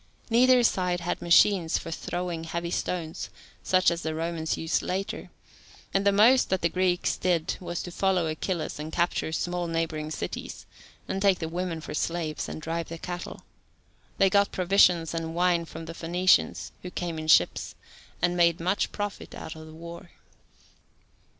Neither side had machines for throwing heavy stones, such as the Romans used later, and the most that the Greeks did was to follow Achilles and capture small neighbouring cities, and take the women for slaves, and drive the cattle. They got provisions and wine from the Phoenicians, who came in ships, and made much profit out of the war.